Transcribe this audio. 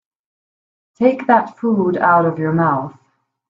Take that food out of your mouth.